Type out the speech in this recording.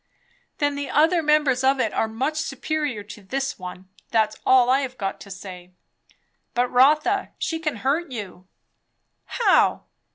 "Then the other members of it are much superior to this one! that's all I have got to say." "But Rotha, she can hurt you." "How?"